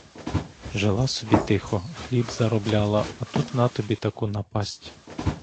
Жила собі тихо, хліб заробляла, а тут на тобі таку напасть!